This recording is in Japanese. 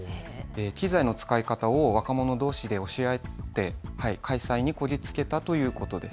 機材の使い方を若者どうしで教え合って開催にこぎつけたということです。